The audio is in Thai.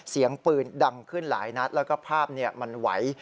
เสียงปืนดังขึ้นหลายนัดแล้วก็ภาพมันไหว